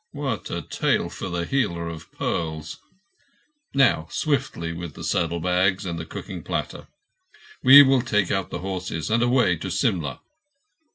What a tale for the healer of pearls! Now swiftly with the saddle bags and the cooking platter. We will take out the horses and away to Simla."